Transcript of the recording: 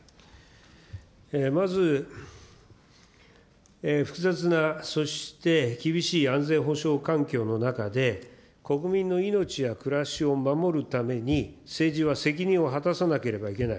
まず複雑な、そして厳しい安全保障環境の中で、国民の命や暮らしを守るために、政治は責任を果たさなければいけない。